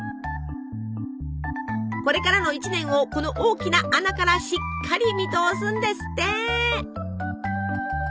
これからの一年をこの大きな穴からしっかり見通すんですって！